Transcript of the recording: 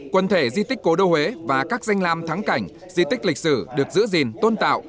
quần thể di tích cố đô huế và các danh lam thắng cảnh di tích lịch sử được giữ gìn tôn tạo